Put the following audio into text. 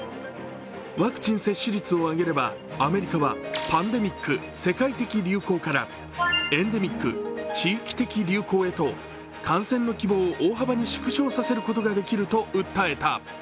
ワクチン接種率を上下れば、アメリカはパンデミック＝世界的流行から、エンデミック＝地域的流行へと感染の規模を大幅に縮小させることができると訴えた。